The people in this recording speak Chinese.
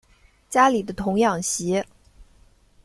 家里的童养媳